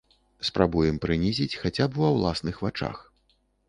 Спрабуем прынізіць хаця б ва ўласных вачах.